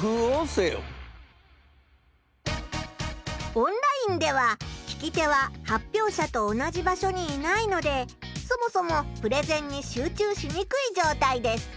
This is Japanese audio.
オンラインでは聞き手は発表者と同じ場所にいないのでそもそもプレゼンに集中しにくいじょうたいです。